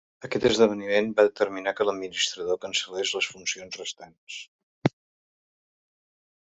Aquest esdeveniment va determinar que l’administrador cancel·lés les funcions restants.